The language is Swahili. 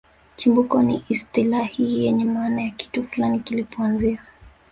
Chimbuko ni istilahi yenye maana ya kitu fulani kilipoanzia